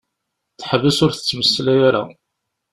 Teḥbes ur tettmeslay ara.